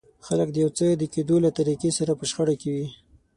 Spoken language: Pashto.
خلک د يو څه د کېدو له طريقې سره په شخړه کې وي.